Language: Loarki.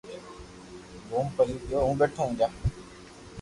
گوم ڀري گيو